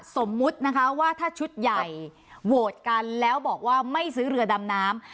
สมมุตินะคะว่าถ้าชุดใหญ่โหวตกันแล้วบอกว่าไม่ซื้อเรือดำน้ำ